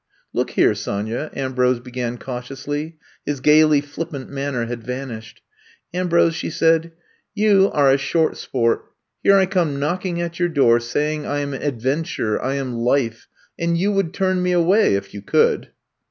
Look here, Sonya," Ambrose began cautiously; his gaily flippant manner had vanished. "Ambrose," she said, you are a short 62 I'VE COMB TO STAT sport. Here I come knockmg at your door^ saying I am Adventure — ^I am Life — and you would turn me away — ^if you could.